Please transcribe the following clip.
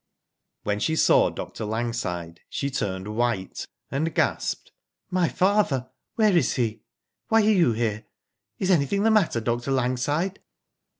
When she saw Dr. Langside she turned white, and gasped : *^My father! Where is he? Why are you here? Is anything the matter. Dr. Langside?"